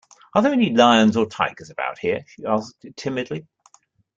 ‘Are there any lions or tigers about here?’ she asked timidly.